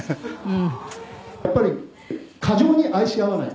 「やっぱり過剰に愛し合わない」